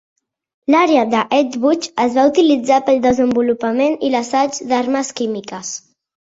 L'àrea de Edgewood es va utilitzar pel desenvolupament i l'assaig d'armes químiques.